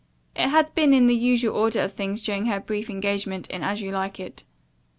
It had been in the usual order of things during her brief engagement in "As You Like It."